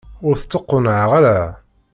Ur tettuqennɛeḍ ara?